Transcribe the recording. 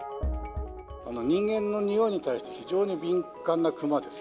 人間のにおいに対して、非常に敏感なクマです。